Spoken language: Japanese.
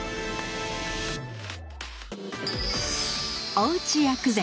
おうち薬膳！